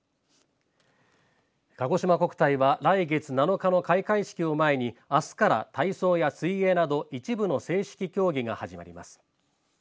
かごしま国体は来月７日の開会式を前にあすから体操や水泳など一部の正式競技が始まります。